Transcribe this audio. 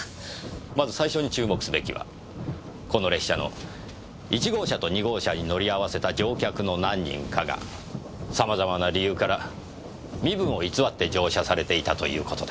まず最初に注目すべきはこの列車の１号車と２号車に乗り合わせた乗客の何人かが様々な理由から身分を偽って乗車されていたという事です。